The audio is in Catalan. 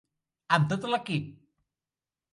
Amb tot l'equip.